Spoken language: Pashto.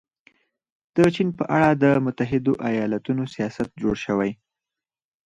د چین په اړه د متحده ایالتونو سیاست جوړ شوی.